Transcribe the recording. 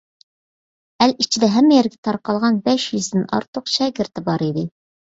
ئەل ئىچىدە ھەممە يەرگە تارقالغان بەش يۈزدىن ئارتۇق شاگىرتى بار ئىدى.